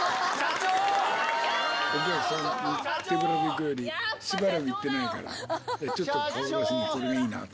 お客さんに手ぶらで行くより、しばらく行ってないから、ちょっと顔出しに、これがいいなって。